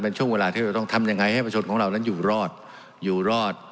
เป็นช่วงเวลาที่เราต้องทำยังไงให้ประชนของเรานั้นอยู่รอดอยู่รอด